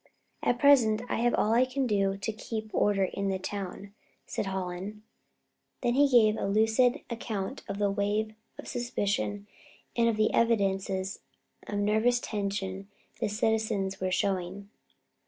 At present, I have all I can do to keep order in the town," said Hallen. Then he gave a lucid account of the wave of suspicion and of the evidences of nervous tension the citizens were showing.